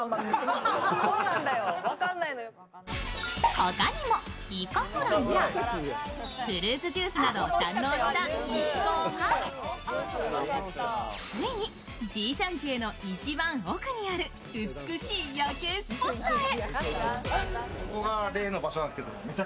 ほかにもイカフライやフルーツジュースなどを堪能した一行はついに基山街の一番奥にある美しい夜景スポットへ。